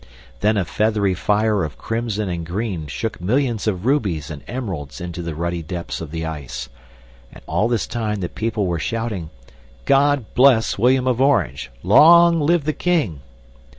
Then a feathery fire of crimson and green shook millions of rubies and emeralds into the ruddy depths of the ice and all this time the people were shouting, "God bless William of Orange! Long live the king!"